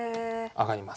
上がります。